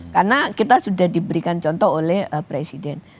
karena kita sudah diberikan contoh oleh presiden